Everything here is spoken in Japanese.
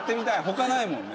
ほかないもんね。